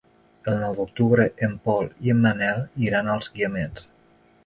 El nou d'octubre en Pol i en Manel iran als Guiamets.